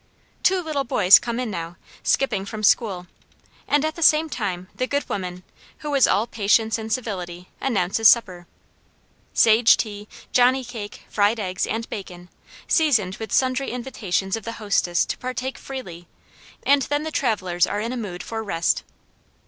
Two little boys come in now, skipping from school, and at the same time the good woman, who is all patience and civility, announces supper. Sage tea, johnny cake, fried eggs, and bacon, seasoned with sundry invitations of the hostess to partake freely, and then the travelers are in a mood for rest.